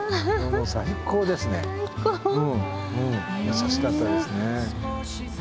美しかったですね。